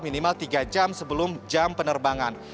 minimal tiga jam sebelum jam penerbangan